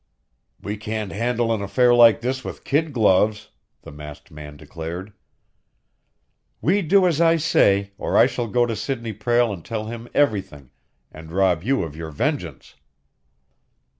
"We can't handle an affair like this with kid gloves!" the masked man declared. "We do as I say, or I shall go to Sidney Prale and tell him everything and rob you of your vengeance!"